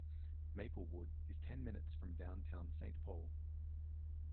Maplewood is ten minutes from downtown Saint Paul.